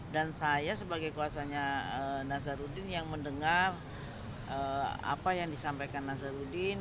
dan saya sebagai kuasanya nazarudin yang mendengar apa yang disampaikan nazarudin